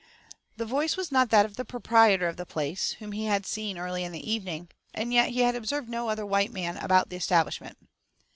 The voice was not that of the proprietor of the place, whom he had seen early in the evening; and yet he had observed no other white man about the establishment.